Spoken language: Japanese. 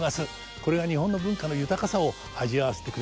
これが日本の文化の豊かさを味わわせてくれますね。